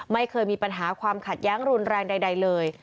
ไม่เคยมีปัญหาความขัดแย้งรุนแรงใดเลย